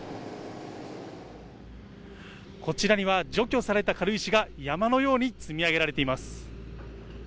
こちらには、除去された軽石が山のように積み上げられています。